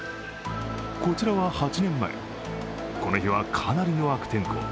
こちらは８年前、この日はかなりの悪天候。